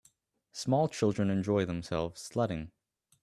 Small children enjoy themselves sledding